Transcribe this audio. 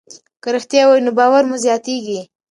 که رښتیا ووایو نو باور مو زیاتېږي.